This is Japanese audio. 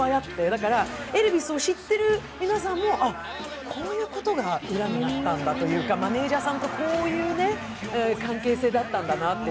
だからエルヴィスを知っている皆さんもあ、こういうことが裏にあったんだというか、マネージャーさんとこういう関係性だったんだなと。